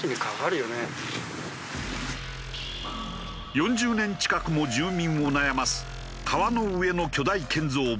４０年近くも住民を悩ます川の上の巨大建造物。